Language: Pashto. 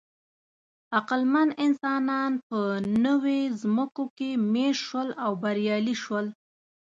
عقلمن انسانان په نوې ځمکو کې مېشت شول او بریالي شول.